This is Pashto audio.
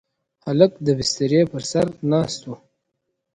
هلک د بسترې پر سر ناست و.